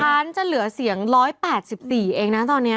หลายครั้งจะเหลือเสียง๑๘๐ตีเองนะตอนนี้ค่ะ